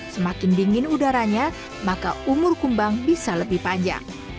semakin dingin udaranya maka umur kumbang bisa lebih panjang